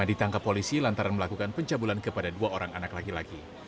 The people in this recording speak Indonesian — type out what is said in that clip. ditangkap polisi lantaran melakukan pencabulan kepada dua orang anak laki laki